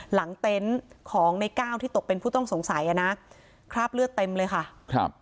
เต็นต์ของในก้าวที่ตกเป็นผู้ต้องสงสัยอ่ะนะคราบเลือดเต็มเลยค่ะครับ